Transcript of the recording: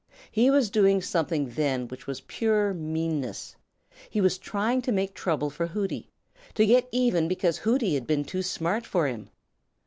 He was doing something then which was pure meanness. He was just trying to make trouble for Hooty, to get even because Hooty had been too smart for him.